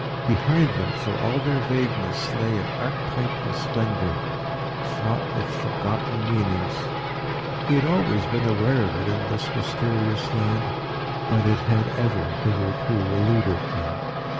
Behind them, for all their vagueness, lay an archetypal splendour, fraught with forgotten meanings. He had always been aware of it in this mysterious land, but it had ever hitherto eluded him.